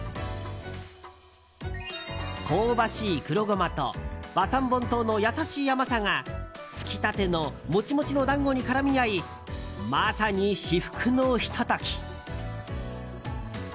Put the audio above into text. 香ばしい黒ゴマと和三盆糖の優しい甘さがつきたてのモチモチのだんごに絡み合いまさに至福のひと時。